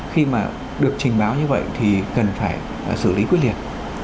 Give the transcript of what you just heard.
khi mà được trình báo như vậy thì cần phải xử lý quyết liệt